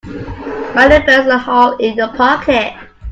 Money burns a hole in your pocket.